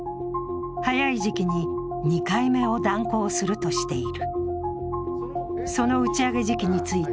早い時期に２回目を断行するとしている。